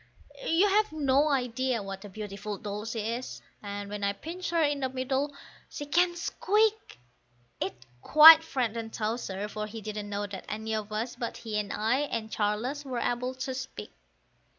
You've no idea what a beautiful doll she is, and when I pinch her in the middle, she can squeak; It quite frightened Towser, for he didn't know that any of us but he and I and Charles were able to speak.